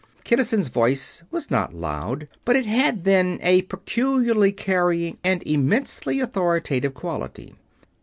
Kinnison's voice was not loud, but it had then a peculiarly carrying and immensely authoritative quality.